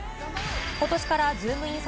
ことしからズームイン！！